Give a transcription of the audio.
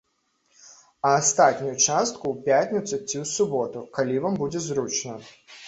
А астатнюю частку ў пятніцу ці ў суботу, калі вам будзе зручна.